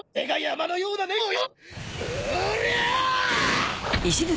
俺が山のような猫をよ！